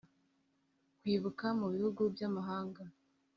Kwibuka Mu Bihugu by Amahanga